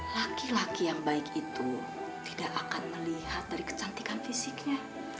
laki laki yang baik itu tidak akan melihat dari kecantikan fisiknya